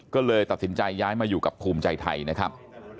ก็เลยตัดสินใจย้ายมาอยู่กับภูมิใจไทยนะครับ